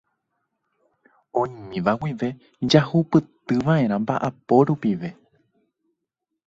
Oĩmíva guive jahupytyva'erã mba'apo rupive.